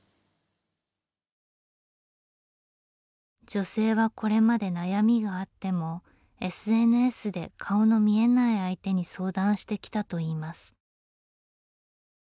女性はこれまで悩みがあってもＳＮＳで顔の見えない相手に相談してきたといいます。